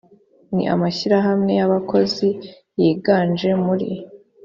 n amashyirahamwe y abakozi yiganje muri